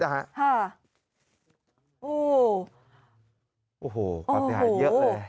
โอ้โหความเสียหายเยอะเลย